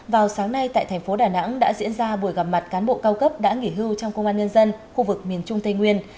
vào sáng nay tại thành phố đà nẵng đã diễn ra buổi gặp mặt cán bộ cao cấp đã nghỉ hưu trong công an nhân dân khu vực miền trung tây nguyên